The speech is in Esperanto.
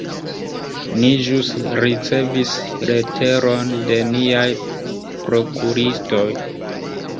Ni ĵus ricevis leteron de niaj prokuristoj.